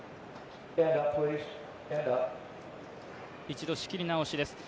一度仕切り直しです。